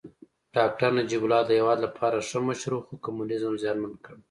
داکتر نجيب الله د هېواد لپاره ښه مشر و خو کمونيزم زیانمن کړ